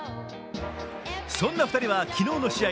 そんな２人は昨日の試合、